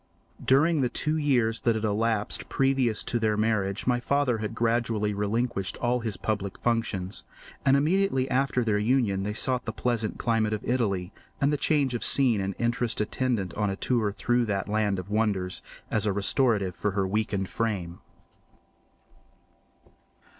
During the two years that had elapsed previous to their marriage my father had gradually relinquished all his public functions; and immediately after their union they sought the pleasant climate of Italy, and the change of scene and interest attendant on a tour through that land of wonders, as a restorative for her weakened frame.